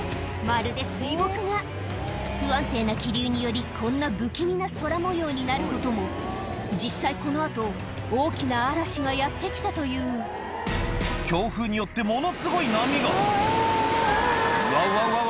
まるで水墨画不安定な気流によりこんな不気味な空模様になることも実際この後大きな嵐がやって来たという強風によってものすごい波がうわうわ